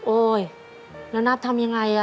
โอ๊ยแล้วนับทำยังไง